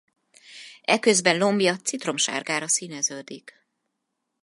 Eközben lombja citromsárgára színeződik.